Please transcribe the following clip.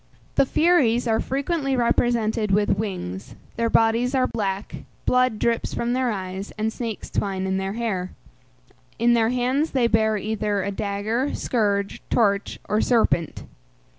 The Furies are frequently represented with wings; their bodies are black, blood drips from their eyes, and snakes twine in their hair. In their hands they bear either a dagger, scourge, torch, or serpent.